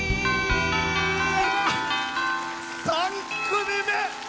３組目！